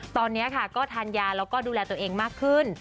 ตอนนี้ค่ะก็ทานยาแล้วก็ดูแลตัวเองมากขึ้น